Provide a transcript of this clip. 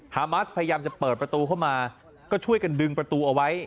ฮามัสพยายามจะเปิดประตูเข้ามาก็ช่วยกันดึงประตูเอาไว้